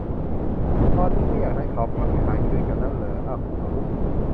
ตอนนี้ไม่อยากได้เขาพระวิหารคืนกันแล้วเหรอ อะหุ อะหุ